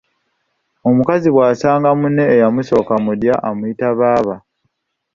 Omukazi bw'asanga munne eyamusooka mu ddya amuyita baaba